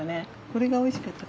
これがおいしかった？